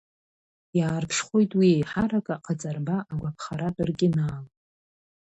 Иаарԥшхоит уи еиҳарак аҟаҵарба агәаԥхаратә ркьынаала…